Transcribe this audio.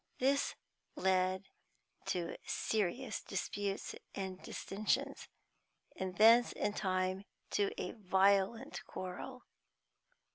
This led to serious disputes and dissensions, and thence, in time, to a violent quarrel.